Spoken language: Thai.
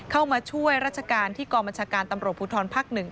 เข้ามาช่วยราชการที่กองบัญชาการตำรวจภูทรภักดิ์๑